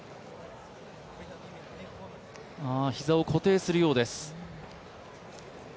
膝を固定するようです。